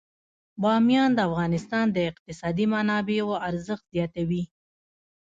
بامیان د افغانستان د اقتصادي منابعو ارزښت زیاتوي.